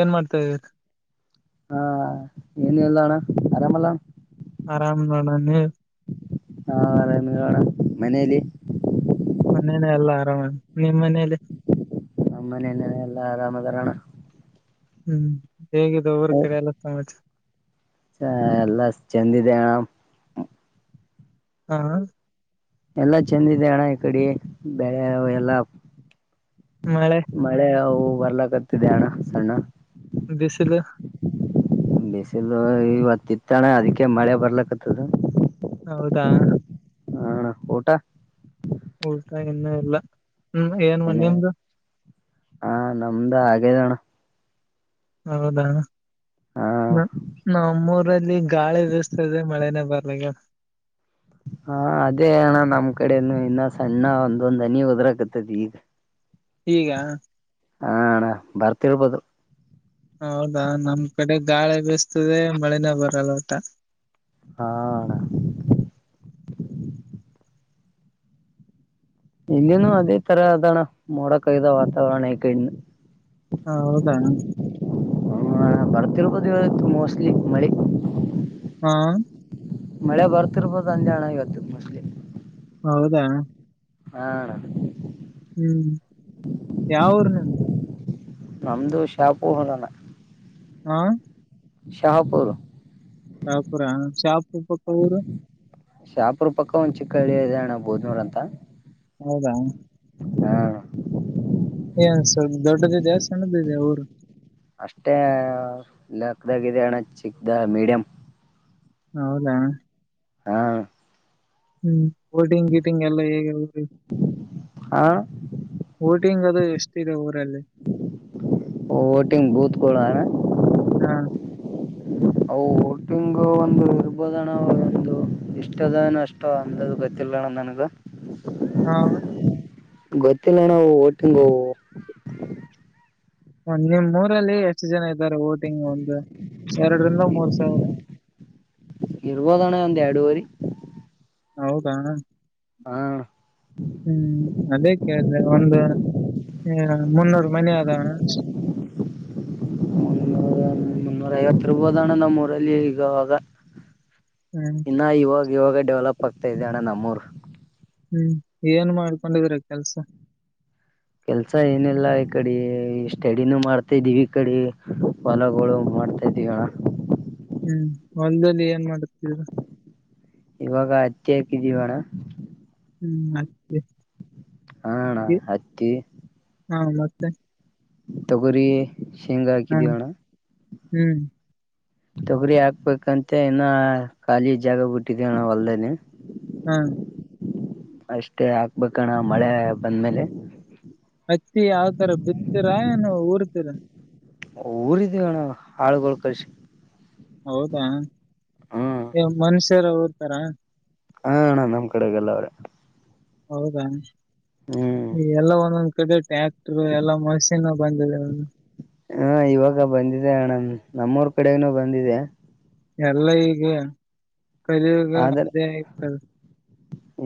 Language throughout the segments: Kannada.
ಏನ್ ಮಾಡ್ತಾಈದಿಯ ಏನಿಲ್ಲ ಅಣ್ಣ ಆರಾಮ ಆರಾಮ್ ನೋಡನೆ ಹಾ ಅರಾಮ್ ನೀವನಾ ಮನೇಲಿ ಮನೇನೆ ಎಲ್ಲ ಆರಾಮ ನಿಮ್ಮ್ ಮನೇಲಿ ನಮ್ಮ ಮನೆಯಲ್ಲಿ ಎಲ್ಲಾ ಆರಾಮಿದ್ದಾರಣ್ಣ ಹ್ಮ್ ಹೇಗಿದೆ ಅವ್ರ ಕಡೆ ಎಲ್ಲ ಸಮಾಜ ಎಲ್ಲ ಚಂದಿದೇಣ ಹಾ ಎಲ್ಲಾ ಚೆಂದಿದೆ ಅಣ್ಣ ಈ ಕಡೆ ಬೆಳೆ ಎಲ್ಲಾ ಮಳೆ ಮಳೆ ಅವು ಬರ್ಲಕತ್ತಿದೆ ಹಣ್ಣ ಸಣ್ಣ ಬಿಸಲು ಬಿಸಿಲು ಇವತ್ತ ಇತ್ತಣ ಅದಕ್ಕೆ ಮಳೆ ಬರ್ಲಕ್ಕತ್ತದ ಹೌದಾ ಹಣ ಊಟ ಊಟ ಇನ್ನ ಇಲ್ಲ ಹ್ಮ್ ಏನ್ ನಿಮ್ದು ಹಾ ನಮ್ದ ಹಾಗೇದಣ ಹೌದಾ ಹಾ ನಮ್ಮೂರಲ್ಲಿ ಗಾಳಿ ವ್ಯವಸ್ತ ಇದೆ ಮಳೆನೆೇ ಬರ್ ನಂಗಾದ್ ಹಾ ಅದೇ ಅಣ್ಣ ನಮ್ ಕಡೆನು ಇನ್ನ ಸಣ್ಣ ಒಂದೊಂದ್ ಹನಿ ಉದ್ರಕತಿ ಈಗ ಹಣ್ಣ ಬರ್ತಿಳ್ಬೋದು ಹೌದಾ ನಮ್ ಕಡೆ ಗಾಳಿ ಬೇಿಸತದೆ ಮಳನೇ ಬರಲ್ಲ ಊಟ ಹಾ ಇಲ್ಲಿನು ಅದೇ ತರ ಅದಣ ಮೋಡ ಕವಿದ ವಾತಾವರಣ ಇದೆ ಹಾ ಹೌದಾ ಹ್ಮ ಬರ್ತಿರ್ಬೋದು ಇತ್ತು ಮೋಸ್ಟ್ಲಿ ಮಳಿ ಹಾ ಮಳೆ ಬರ್ತಿರ್ಬೋದು ಅಂದೆ ಅಣ್ಣ ಈವತು ಮೋಸ್ಟ್ಲಿ ಹೌದಾ ಹಾ ಅಣ್ಣಾ ಹ್ಮ್ ಯಾವಊರು ನಿಂದು ನಿಮ್ಡು ನಮದು ಶಾವಪೋಹರನ್ನ ಹ್ಮ ಶಾಪುರ್ ಶಾಪುರ ಶಾಫ್ ಪಕ್ಕಾ ಊರು ಶಾಪುರ ಪಕ್ಕ ಒಂದ್ ಚಿಕ್ಕಳ್ಳಿ ಇದೆಯಣ್ಣ ಬೋದ್ನೂರ್ ಅಂತ. ಹೌದಾ. ಹಾ. ಏನ್ ಸ್ವಲ್ಪ ದೊಡ್ಡದಿದೆ ಸಣ್ಣದದೆ ಊರು. ಅಷ್ಟೇ ಲೆಕ್ಕ ಇದೆ ಅಣ್ಣ ಚಿಕ್ಕ ಮೀಡಿಯಂ. ಹೌದಾ. ಹಾ. ಹ್ಮ್. ಓಟಿಂಗ್ ಗೀಟಿಂಗ್ ಎಲ್ಲ ಹೇಗ ಹೇಗಿರುತ್ತೆ ಹಾ ಓಟಿಂಗ್ ಅ. ಅದು ಎಷ್ಟಿದೆ ಊರಲ್ಲಿ. ವೋಟಿಂಗ್ ಬೂತ್ ಗಳ. ಹಾ ಅವು ಓಟಿಂಗ್ ಒಂದು ಇರ್ಬೋದಣ್ಣ ಒಂದು ಇಷ್ಟ ಅಷ್ಟ ಅಂದಾಜ್ ಗೊತ್ತಿಲ್ಲ ಅಣ್ಣ ನನ್ಗ. ಹಾ ಗೊತ್ತಿಲ್ಲ ನಾವು ಓಟಿಂಗ ಹೋ. ನಿಮ್ ಊರಲ್ಲಿ ಎಷ್ಟು ಜನ ಇದ್ದಾರೆ ಓಟಿಂಗ್ ಒಂದು. ಎರಡರಿಂದ ಮೂರ್ ಸಾವಿರ. ಇರ್ಬೋದ್ ಅಣ್ಣ ಒಂದ ಎರಡುವರಿ. ಹೌದಾ ಅಣ್ಣ. ಹ್ಮ್ ಅದೇ. ್ರೆ ಒಂದು ಮುನ್ನೂರು ಮನೆ ಅದವ್ವ ಅಣ್ಣ. ಮುನ್ನೂರ ಮುನ್ನೂರ ಐವತ್ತು ಇರ್ಬೋದ್ ಅಣ್ಣ ನಮ್ಮ್ ಊರಲ್ಲಿ ಈಗ ಅವಾಗ. ಹ್ಮ್ ಇನ್ನ ಇವಾಗ. ಇವಾಗ ಡೆವಲಪ್ ಆಗ್ತಾ ಇದೆ ಅಣ್ಣ ನಮ್ಮೂರು. ಹ್ಮ್ ಏನ್ ಮಾಡ್ಕೊಂಡಿದ್ರ ಕೆಲಸ. ಕೆಲಸಏನೆಲ್ಲಾ ಈ ಕಡೆ ಸ್ಟಡಿನೂ ಮಾಡ್ತಾ ಇದೀವಿ ಈ ಕಡೆ ಹೊಲಗಳು ಮಾಡ್ತಾ ಇದ್ದೀವಣ್ಣ. ಹ್ಮ್ ಹೊಲದಲ್ಲಿ ಏನ್ ಮಾಡ್ತಾ ಇದ್ದೀರಾ. ಇವಾಗ ಹತ್ತಿ ಹಾಕಿದ್ದೀವಣ್ಣ. ಹ್ಮ್ ಅತ್ತಿ ಅ ಅಣ್ಣ ಹತ್ತಿ. [unintelligible] ತೊಗರಿ. ಶೇಂಗಾ ಹಾ ಹಾಕಿದೀವಣ್ಣ. ಹ್ಮ್. ತೊಗರಿ ಆಗ್ಬೇಕಂತೆ ಇನ ಖಾಲಿ ಜಾಗ ಬಿಟ್ಟಿದೆ ಅಣ್ಣ ಹೊಲದಲ್ಲಿ. ಹ್ಮ್. ಅಷ್ಟೇ ಹಾಕಬೇಕಣ್ಣಮಳೆ ಬಂದ್ಮೇಲೆ. ಹತ್ತಿ ಯಾವ್ತರ ಬಿತೀರಾ ಏನು ಊರ್ತೀರಾ. ಊರಿದೀವಿಣ್ಣ ಹಾಳ್ಗಳು ಕಳಿಸಿ. ಹೌದಾ ಮನ್ಷ. ರ ಓದ್ತಾರಾ. ಅಣ್ಣ ಅಣ್ಣನಮ್ ಕಡೆಗೆ ಎಲ್ಲಾ ಅವರೇ. ಹೌದಾ ಎಲ್ಲ ಒಂದೊಂದ್ ಕಡೆ ಟ್ಯಾಕ್ಟರ್ ಎಲ್ಲಾ ಮಷಿನ್ ಬಂದಿದೆ ಹಾ ಇವಾಗ ಬಂದಿದೆ ಅಣ ನಮ್ಮೂರ್ ಕಡೆಗನೂ ಬಂದಿದೆ ಎಲ್ಲ ಈೀಗೆ ಕರಿ ಅದಯತ [unintelligible]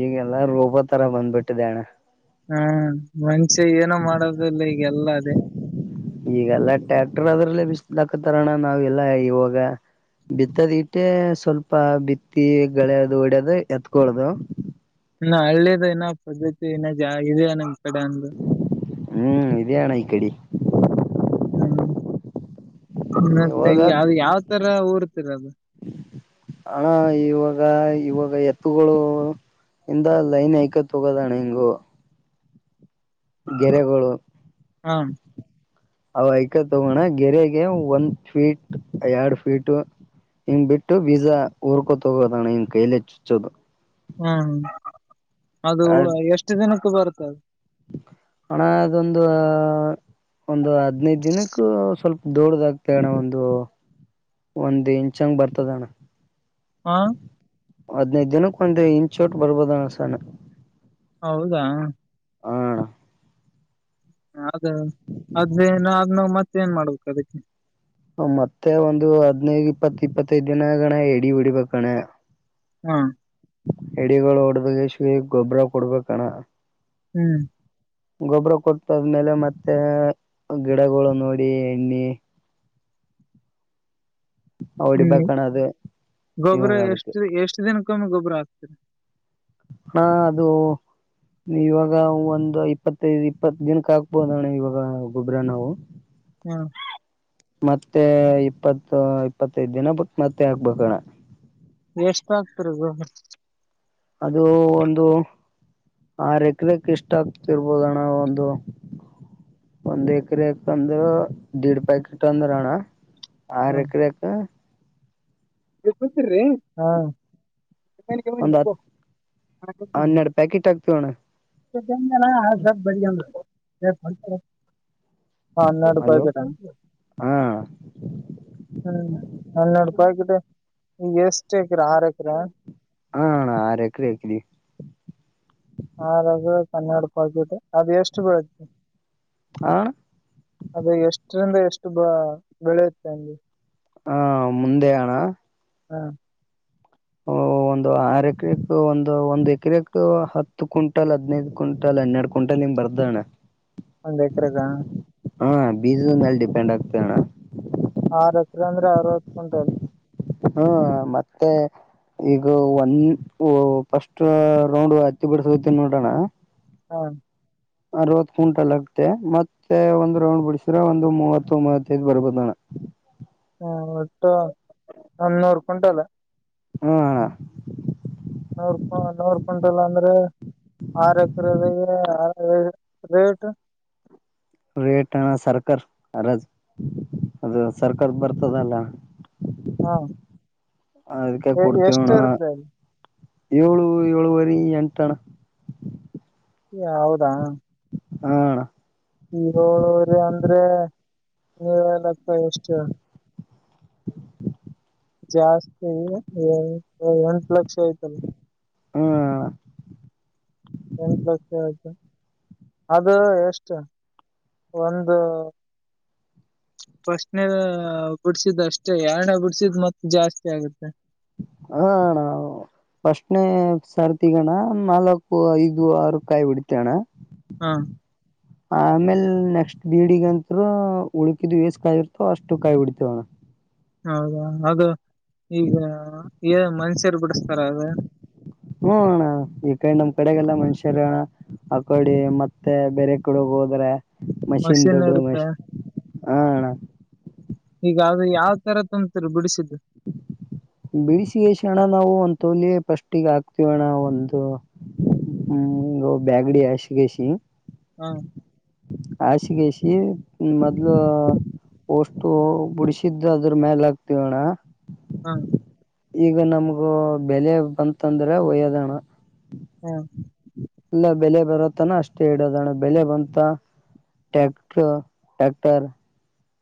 ಈಗೆಲ್ಲ ರೋಬೋ ತರ ಬಂದ್ಬಿಟ್ಟಿದೆ ಅಣ್ಣ ಹ್ಮ್ [unintelligible] ಮಂಚೆ ಏನೋ ಮಾಡೋದಿಲ್ಲ ಈಗಲ್ಲ ಅದೇ ಈಗಲ್ಲ ಟ್ಯಾಕ್ಟರ್ ಅದ್ರಲ್ಲೇ ಬಿಸ ಹಾಕತಾರಣ ನಾವೆಲ್ಲ ಇವಾಗ ಬಿತ್ತದ್ ಇಟ್ಟೆ ಸ್ವಲ್ಪ ಬಿತ್ತಿ ಳೆದು ಹೊಡ್ಯದು ಎತ್ಕೊಳದು ನ ಹಳ್ಳಿಯದ ಇನ ಪದ್ದ್ಧತಿ ಇನ್ನ ಜ ಇದ ನ [unintelligible] ಎಕ್ಕಡಲ [inaudible] ಹ್ಮ್ ಇದೆಣ ಈ ಕಡಿ ಹ್ಮ್ [inaudible] ಮತ್ತೆ ಇವಾಗ ಯಾವ್ ಯಾವ್ ತರ ಊರ್ತಿರೋದು ಅಣ್ಣಾ ಇವಾಗ ಇವಾಗ ಎ [inaudible] ವತುಗಳು ಇಂದ ಲೈನ್ ಐಕತ್ೋಗೋದಣೆ ಹಿಂಗು [unintelligible] ಗೆರೆಗಳು ಹಾ ಅವ ಯ್ಕ ತಗೋಣ ಗೆರೆಗೆ ಒಂದ್ ಫೀಟ್ ಎರಡ್ ಫೀಟ್ ಹಿಂಗ್ ಬಿಟ್ಟು ಬೀಜ ಉಊರ್ಕೊ ತಗೋದೋಣ್ಣ ಹಂಗ ಕೈಲಿಚ್ಚುಚ್ಚೋದು ಹ್ಮ್ ಅದು ಎಷ್ಟು ದಿನಕ್ಕೆ ಬರ್ತದೆ [unintelligible] ಅಣ ಅದೊಂದು ಒಂದು ಹದ್ನೈದ ದಿನಕ್ಕೂ ಸ್ವಲ್ಪ ದೊಡ್ಡ್ದ ಆ್ತ ಅಣ್ಣ ಒಂದು ಒಂದು್ ಇಂಚ್ಂಗ ಬರ್ತದ ಅಣ್ಣ ಹಾ ಹದ್ನೈದ ದಿನಕ್ಕ ಒಂದ್ ಇಂಚೋಟ್ ಬರ್ಬೋದನಸಾನ ಹೌದಾ ಆ ಅಣ ಅದೇ ಅದೇ ಅದ್ ನಾ ಮತ್ತೆ ಏನ್ ಮಾಡ್ಬೇಕು ಅದಕ್ಕೆ ಮತ್ತೆ ಒಂದು ಹದ್ನೈದು ಇಪ್ಪತ್ ಇಪ್ಪತ್ತೈದ್ ದಿನಗಣ ಎಡಿ ಬಿಡಿಬೇಕಣ್ಣ ಹಾ ಎಡಿಗಳು ಹೊಡ್ದಾಗ ಗುಬ್ಬಾರ ಕೊಡ್ಬೇಕಣ ಹ್ಮ್ ಗೊಬ್ಬರ ಕೊಟ್ಟಾದ್ಮೇಲೆ ಮತ್ತೆ ಗಿಡಗಳು ನೋಡಿ ಎಣ್ಣಿ ಹ್ಮ್ ಹೊಡಿಬೇಕಣ ಅದು ಗೊಬ್ಬ್ರ ಇವಾಗ ಅದಕ್ಕೆ ಎಷ್ಟು ಎಷ್ಟ್ ದಿನಕ್ಕೊಮ್ಮೆ ಗೊಬ್ಬ್ರ ಆಗ್ ಹ [inaudible] ಹಾ ಅದು ಇವಾಗ ಒಂದ್ ಇಪ್ಪತ್ತೈದು ಇಪ್ಪತ್ ದಿನಕ್ಕೆ ಆಾಕ್ಬೋದಣ ಇವಾಗ ಗೊಬ್ಬ್ರ ನಾವು ಹಾ ಮತ್ತೆ ಇಪ್ಪತ್ತು ಇಪ್ಪತ್ತೈದ ದಿನ ಬಟ್ಟ ಮತ್ತೆ ಹಾಕ್ಬೇಕಣ ಎಷ್ಟ ಆಗ್ತರಿದು ಅದು ಒಂದು ಆರ್ ಎಕರೆಕ್ ಇಷ್ಟ ಆಗ್ತಿರ್ಬೋದ ಅಣ ಒಂದು ಒಂದ್ ಎಕರೆಕ್ ಅಂದ್ರೆ ದೇಡ್ ಪ್ಯಾಕೆಟ್ ಅಂದ್ರ ಅಣ್ಣ ಆರು ಎಕರೆ ಕೆ ಈಗ ಗತ್ತರಿ ಹಾ [unintelligible] ಒಂದ್ ಹತ್ ಹನ್ನೆರಡು ಪ್ಯಾಕೆಟ್ ಆಗ್ತವ ಅಣ್ಣ ಸ ಬ [inaudible] ಹನ್ನೆರಡು ಹಲೋ ರೂಪಾಯಿಗಟ ಹಾ ಹ್ಮ್ ಹನ್ನೆರಡು ರೂಪಾಯಿಗಟ ಈಸ್ಟು ಎಕರೆ ಆರು ಎಕರೆ ನಾ ಹಾ ಆರ ಎಕರಿ ಹಾಕವಿ ಹ ರ ಕನ್ನಡಪ ಹಕಿಟ್ಟ ಅದು ಎಷ್ಟು ಬೆಳತ್ತ ಹ ಅದು ಎಷ್ಟರಿಂದ ಎಷ್ಟು ತುಂಬಾ ಬೆಳೆಯುತ್ತೆ ಅಂಗೆ ಹಾ ಮುಂದೆ ಅಣ ಹ್ಮ ಹ ಒಂದು ಆರ್ ಎಕರೆಕ್ ಒಂದು ಒಂದ್ ಎಕರೆಕ್ ಹತ್ತು ಕ್ಂಟಲ್ ಹದ್ನೈದು ಕ್ವಿಂಟಲ್ ಹನ್ನೆರಡು ಕ್ವಿಂಟಲ್ ನಿಂಗ್ ಬರ್ದಣ್ಣ ಒಂದ ಎಕರೆದಾ ಹಾ ಬೀಜದನ್ಲ್ಲಿ ಡಿಪೆಂಡ್ ಆಗ್ತ ಅಣ್ಣ ಆರ್ ಎಕರೆ ಅಂದ್ರೆ ಅರ್ವತ್ ಕುಟಲ್ ಹ್ಮ ಮತ್ತೆ ಈಗ ಒಂದ ಫಸ್ಟ್ ರೌಂಡ್ ಹತ್ತಿ ಬಿಡಸ ನೋಡೋಣ ಹಾ ಅಣ ಅರವತ್ ಕುಂಟಲ್ ಆಗ್ತೆ ಮತ್ತೆ ಒಂದ್ ರೌಂಡ್ ಬಿಡಸ್ರ ಒಂದು ಮೂವತ್ತು ಮೂವತ್ತೈದ್ ಬರ್ಬೋದ ಅಣ್ಣ ಒಟ್ಟ ಒನ್ನೂರು ಕುಂಟಲ್ಲ ಹ್ಮ ಹ ನೂರ್ ನೂರ್ಕೊಂಡಲ್ಲ ಅಂದ್ರೆ ಆರ್ ಎಕರೆ ದಗೆ ರ ರೇಟ್ ರೇಟ್ ಅಣ್ಣ ಸರ್ಕಾರ ಅರಾಜ್ ಅದು ಸರ್ಕಾರ ಬರ್ತದಲ್ಲ ಹ್ಮ ಅದಕ್ಕೆ ಎಷ್ಟು ಕೊಡ್ತೇವಣ ಇರ್್ದ ಅಲ್ಲಿ ಏಳು ಏಳುವರಿ ಎಂಟಣ ಹೌದಾ ಹ ಅಣ ನೀಏನ್ತ ಎಷ್ಟ ಜಾಸ್ತಿ ಎಂಟು ಲಕ್ಷ ಆಯ್ತಲ್ಲ ಹ್ಮ ಎಂಟ ಲಕ್ಷ ಆಯತು ಅದು ಎಷ್ಟು ಒಂದು ಫಸ್ಟ್ನೆ ಬಿಡ್ಸಿದ್ ಅಷ್ಟೆ ಎನ ಬಿಡ್ಸಿದ್ ಮತ್ತ ಜಾಸ್ತಿ ಆಗುತ್ತೆ ಅಣ ಫಸ್ಟ್ನೇ ಸರ್ತಿಗಣ್ಣ ನಾಲ್ಕು ಐದು ಆರ್ ಕಾಯಿ ಬಿಡ್ತೇಣ್ಣ ಹಾ ಆಮೇಲ್ ನೆಕ್ಸ್ಟ್ ಬೀಡಿಗಂತರ ಉಳಕಿದು ಯೇಸ್ ಕಾಯಿರ್ತವ ಅಷ್ಟು ಕಾಯಿ ಬಿಡ್ತೇವಣ ಹೌದಾ ಅದು ಈಗ ಏ ಮನ್ಷ್ಯರು ಬಿಡಸ್ತಾರ ಅದ ಕಡೆಗೆಲ್ಲ ಮನುಷ್ಯರಣ ಆಕೋಡಿ ಮತ್ತೆ ಬೇರೆ ಕಡೆೋಗ ಹೋದ್ರೆ ಮಷೀನ್ ಮಷಿನ್ ದುಡ್ಡು ಇರುತ್ತೆ ಮಷನ್ ಹ ಈಗ ಯಾವ್ ತರ ತುಂಬಂತರು ಬಿಡಿಸಿದ್ದ ಬಿಡಿಸಿಗಸಿ ಅಣ್ಣ ನಾವು ಒಂದ್ ತೋಲಿ ಫಸ್ಟ್ ಈಗ ಹಾಕ್ತಿವ ಅಣ ಒಂದು ಹ್ಮ ಬ್ಯಾಗಡಿ ಹಸಿಗಸಿ ಹ್ಮ ಆ ಶಿಗೆ ಆಸಿ ಈ ಮೊದ್ಲು ಪೋಸ್ ಬ ಬಿಡಿಸಿದ್ದ ಅದ್ರ ಮೇಲೆ ಆಕ್ತಿವೋಣ್ಣ ಹಾ ಈಗ ನಮಗು ಬೆಲೆ ಬಂತಂದ್ರೆ ಒಯ್ಯೋದಣ ಹ್ಮ ಇಲ್ಲ ಬೆಲೆ ಬರತನ ಅಷ್ಟೇ ಇಡೋದಣ ಬೆಲೆ ಬಂತ ಟ್ಯಾಕ್ಟರ್- ಟ್ಯಾಕ್ಟರ್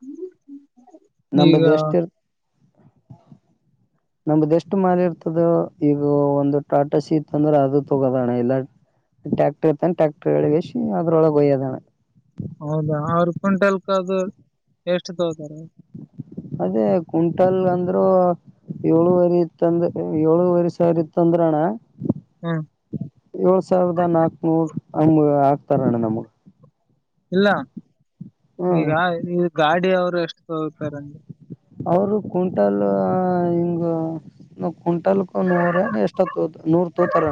ಹ್ಮ್್ಮ [unintelligible] ನಂಬ್ದ ಎಷ್ಟ ಇರ್ ನಮ್ದ ಎಷ್ಟು ಮಾಲಿ ಇರ್ತದ ಈಗ ಒಂದು ಟಾಟಾ ಶೀತ ಅಂದ್ರೆ ಅದು ತಗೋದಣ ಇಲ್ಲ ಟ್ಯಾಕ್ಟರ್ ಇರ್ತಂದ ಟ್ಯಾಕ್ಟರ್ ಒಳಗೆ ಸಿ ಅದ್ರೊಳಗೆ ಒಯ್ಯೋದಣ ಹೌದಾ ಆರು ಕ್ವಿಂಟಲ್ಕ್ ಅದು ಎಷ್ಟು ತಗತಾರ ಅದೇ ಕುಂಟಲ್ಲ್ ಅಂದ್ರೂ ಏಳುವರಿ ಇತ್ತಂದ ಏಳುವರಿ ಸಾವಿರ ಇತ್ತು ಅಂದ್ರಣ್ಣ ಹ್ಮ್ ಏಳ್ ಸಾವಿರದ ನಾಕ್ನೂರು ಹಮ ಆಗ್ತಾರ ಅಣ್ಣ ನಮಗ ಇಲ್ಲ ಹ್ಮ್ ಈಗ ಈ ಗಾಡಿ ಅವ ಎಷ್ಟು ತೋಗತಾರಗೆ ಅವರು ಕ್ವಿಂಟಲ್ ಹಿಂಗ ಕ್ಂಟಲ್ಕೂ ನೂರ ಎಷ್ಟೊ ನೂರು ತೋತಾರ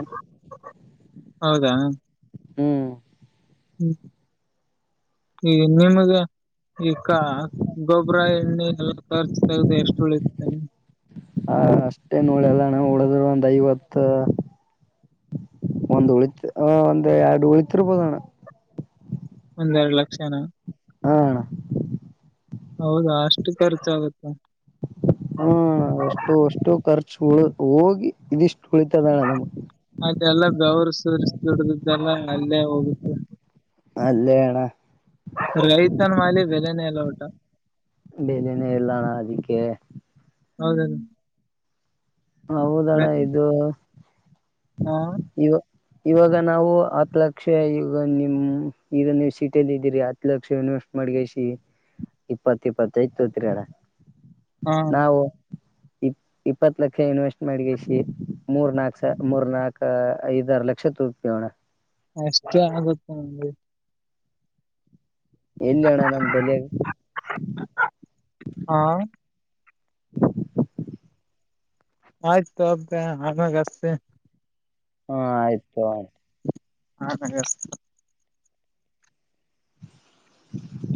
ಹೌದಾ ಹ್ಮ್ ಈ ನಿಮಗೆ ಈಕ್ಕ ಗೊಬರಾಯ ನ್ನೆ ಎಲ್ಲ ಖರ್ಚ ತಾಗದೆ ಎಷ್ಟು ಉಳಾನೆ ಹ ಅಷ್ಟೇ ನ ಉಳಿಯಲ್ಲ ಅಣ್ಣ ಉಳಿದ್ರ ಒಂದ್ ಐವತ್ತ ಒಂದ್ ಉಳಿತ ಒಂದ್ ಎರಡು ಉಳತಿರ್ಬೋದಣ್ಣ ಒಂದೆರಡು ಲಕ್ಷನ ಹಾ ಹೌದಾ ಅಷ್ಟು ಖರ್ಚಾಗತ್ತೆ ಹಾ ಅಷ್ಟು - ಅಷ್ಟು ಖರ್ಚು ಉಳ ಹೋಗಿ ಇದಿಷ್ಟು ಉಳಿತದಳ ನಮ್ ಅದೆೆ ಎಲ್ಲ ಗೌರ್ ದುಡ್ದ ಇದಲ್ಲ ಅಲ್ಲೇ ಹೋಗುತ್ತೆ ಅಲ್ಲೆ ಅಣ್ಣಾ ರೈತನ ಮಾಲಿ ಬೆಲೆನೇ ಎಲ್ಲ ಊಟ ಬೆಲೆನೆ ಇಲ್ಲಣ ಅದಕ್ಕೆ ಹೌದದು ಹೌದಣ್ಣ ಇದು ಹಾ ಇವ ಇವಾಗ ನಾವು ಹತ್ ಲಕ್ಷ ಈಗ ನಿಮ್ ಈಗ ನೀವು್ ಸಿೀಟಿಯಲ್ಲಿ ಇದೀರಿ ಹತ್ ಲಕ್ಷ ಇನ್ವೆಸ್ಟ್ ಮಾಡಗಸ ಇಪ್ಪತ್ತು ಇಪ್ಪತ್ತಐತ್ ತೋತ್ರಿ ಅಣ ಹಾ ನಾವು ಇ ಇಪ್ಪ ಇ ಲಕ್ಷ ಇನ್ವೆಸ್ಟ್ ಮಾಡಿ ಮೂರ್ ನಾಕ್ ಸ ಮೂರ್ ನಾಕ್ ಐದಾರು ಲಕ್ಷ ತಗೋತೀವಿ ಅಣ್ಣ ಅಷ್ಟೇ ಆಗುತ್ತೆ ನಂಗೆ ಎಲ್ಲಿ ಅಣ್ಣ ನಮ ಬೆಲೆ ಹಾ ಆಯ್ತು ಅಬ್ದ ಆಮ್ಯಾಗಷ್ಟತಿ ಹಾ ಆಯ್ತು ಹಾ ನ [inaudible]